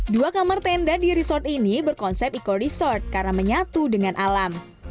dua kamar tenda di resort ini berkonsep eco resort karena menyatu dengan alam